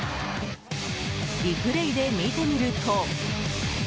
リプレーで見てみると。